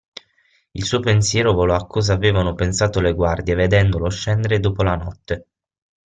Il suo pensiero volò a cosa avevano pensato le guardie vedendolo scendere dopo la notte.